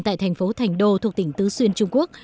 tại thành phố thành đô thuộc tỉnh tứ xuyên trung quốc